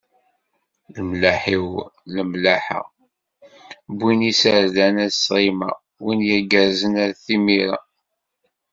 Lemlaḥ-iw lmellaḥa, wwin iserdan at ssṛima, wwin yirgazen at d timira.